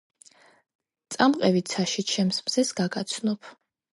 წამყევი ცაში ჩემს მზეს გაგაცნობ